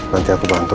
nanti aku bantu